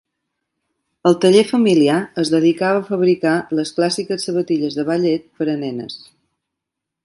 El taller familiar es dedicava a fabricar les clàssiques sabatilles de ballet per a nenes.